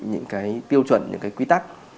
những cái tiêu chuẩn những cái quy tắc